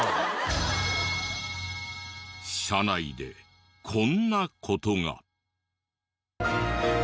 車内でこんな事が。